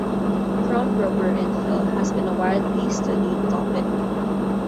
Crumb rubber infill has been a widely studied topic.